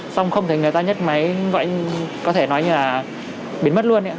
xong không thấy người ta nhấc máy vậy có thể nói như là biến mất luôn